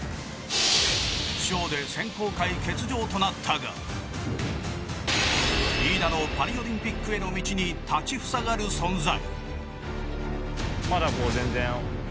負傷で選考会欠場となったが飯田のパリオリンピックの道に立ちはだかる存在。